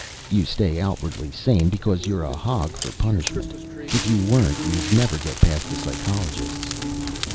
You stay outwardly sane because you're a hog for punishment; if you weren't, you'd never get past the psychologists.